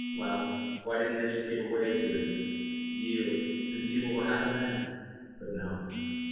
Well. Why didn't they just give way to it—yield—and see what will happen then? But no.